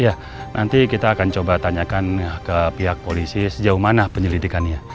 ya nanti kita akan coba tanyakan ke pihak polisi sejauh mana penyelidikannya